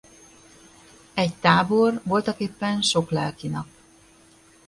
Egy tábor voltaképpen sok lelki nap.